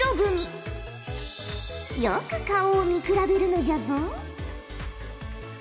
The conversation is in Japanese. よく顔を見比べるのじゃぞ。